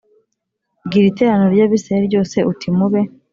Bwira iteraniro ry Abisirayeli ryose uti Mube